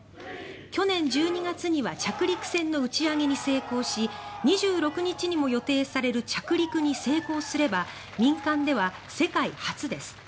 去年１２月には着陸船の打ち上げに成功し２６日にも予定される着陸に成功すれば民間では世界初です。